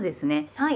はい。